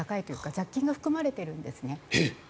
雑菌が含まれているんですね。